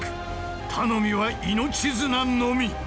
頼みは命綱のみ。